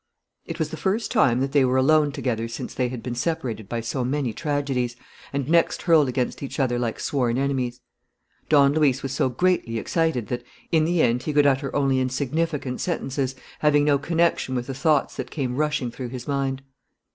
It was the first time that they were alone together since they had been separated by so many tragedies, and next hurled against each other like sworn enemies. Don Luis was so greatly excited that, in the end, he could utter only insignificant sentences, having no connection with the thoughts that came rushing through his mind.